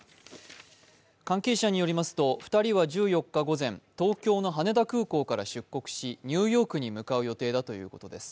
関係者によりますと２人は１４日午前、東京の羽田空港から出国し、ニューヨークに向かう予定だということです。